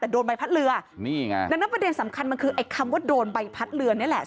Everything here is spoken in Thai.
แต่โดนใบพัดเรือนี่ไงดังนั้นประเด็นสำคัญมันคือไอ้คำว่าโดนใบพัดเรือนี่แหละ